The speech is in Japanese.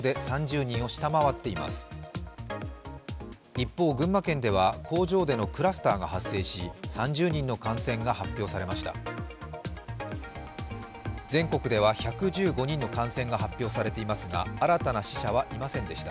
一方、群馬県では工場でのクラスターが発生し３０人の感染が発表されました。